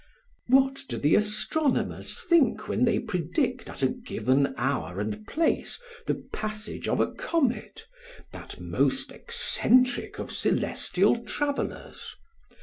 What do the astronomers think when they predict at a given hour and place the passage of a comet, that most eccentric of celestial travelers?